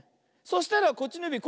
そしたらこっちのゆび